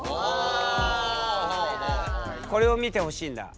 これを見てほしいんだ。